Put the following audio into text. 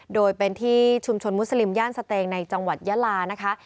โดยเป็นที่ชุมชนมุสลิมย่านสเตงในจังหวัดยาลานะคะ